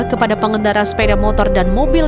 kepada pengendara sepeda motor dan mobil